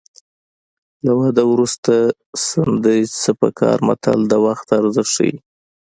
له واده نه وروسته سندرې څه په کار متل د وخت ارزښت ښيي